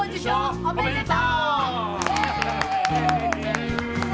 おめでとう。